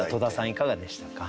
いかがでしたか？